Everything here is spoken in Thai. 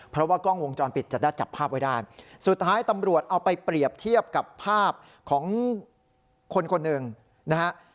เพราะว่ากล้องวงจรปิดจะได้จับภาพไว้ได้สุดท้ายตำรวจเอาไปเปรียบเทียบกับภาพของคนคนหนึ่งนะฮะ